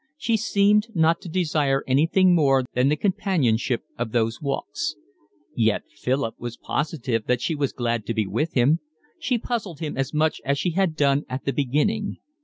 She seemed not to desire anything more than the companionship of those walks. Yet Philip was positive that she was glad to be with him. She puzzled him as much as she had done at the beginning.